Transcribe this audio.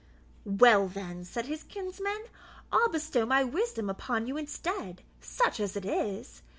"Well, then," said his kinsman, "I'll bestow my wisdom upon you instead, such as it is.